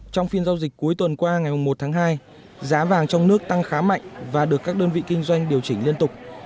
trong phiên giao dịch cuối tuần qua ngày một tháng hai giá vàng trong nước tăng khá mạnh và được các đơn vị kinh doanh điều chỉnh liên tục